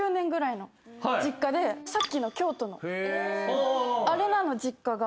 さっきの京都のあれなの実家が。